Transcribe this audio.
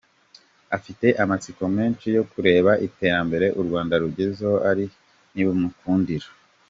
Afite amatsiko menshi yo kureba Iterambere u Rwanda rugezeho ariko ntibimukundire.